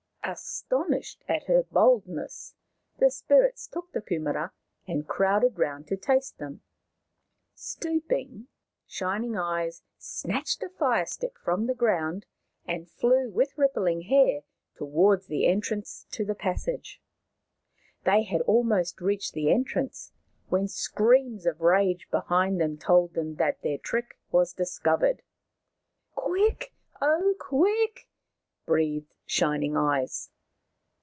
Astonished at her boldness, the spirits took the kumaras and crowded round to taste them. Stooping, Shining Eyes snatched a fire stick from the ground and flew with Rippling Hair towards the entrance to the passage. They had almost reached the entrance when screams of rage behind them told them that their trick was discovered. " Quick, oh, quick !" breathed Shining Eyes.